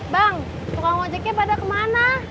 bang pokok ngajaknya pada kemana